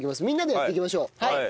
みんなでやっていきましょう。